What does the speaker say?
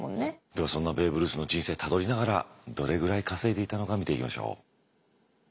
ではそんなベーブ・ルースの人生たどりながらどれぐらい稼いでいたのか見ていきましょう。